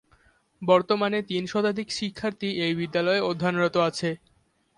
বর্তমানে তিন শতাধিক শিক্ষার্থী এ বিদ্যালয়ে অধ্যয়নরত আছে।